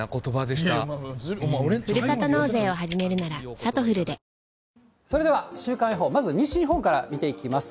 三井不動産それでは、週間予報、まず西日本から見ていきます。